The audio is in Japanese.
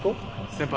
先輩。